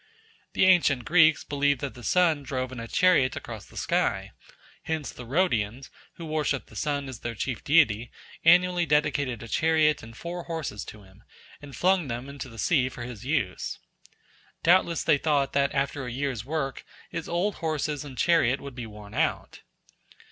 The ancient Greeks believed that the sun drove in a chariot across the sky; hence the Rhodians, who worshipped the sun as their chief deity, annually dedicated a chariot and four horses to him, and flung them into the sea for his use. Doubtless they thought that after a year's work his old horses and chariot would be worn out.